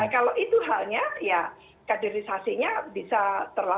kalau itu halnya ya kaderisasinya bisa terlambat